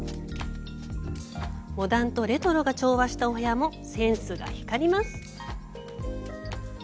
モダンとレトロが調和したお部屋もセンスが光ります。